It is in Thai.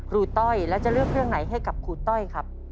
ต้อยแล้วจะเลือกเรื่องไหนให้กับครูต้อยครับ